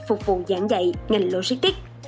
phục vụ giảng dạy ngành logistics